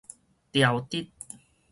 條直